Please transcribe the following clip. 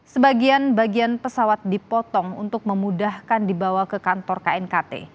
sebagian bagian pesawat dipotong untuk memudahkan dibawa ke kantor knkt